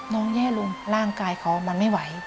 แย่ลงร่างกายเขามันไม่ไหว